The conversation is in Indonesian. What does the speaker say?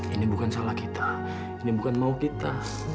ini bukan salah kita ini bukan mau kita